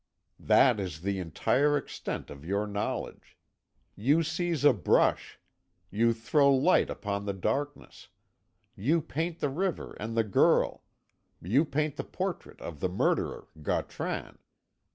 That is the entire extent of your knowledge. You seize a brush you throw light upon the darkness you paint the river and the girl you paint the portrait of the murderer, Gautran.